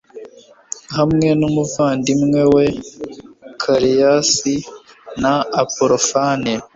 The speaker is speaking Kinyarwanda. hamwe n'umuvandimwe we kereyasi, na apolofane